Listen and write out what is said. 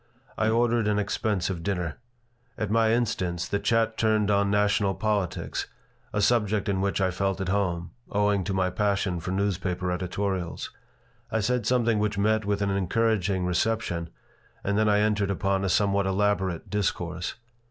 I ordered an expensive dinner. At my instance the chat turned on national politics, a subject in which I felt at home, owing to my passion for newspaper editorials. I said something which met with an encouraging reception, and then I entered upon a somewhat elaborate discourse.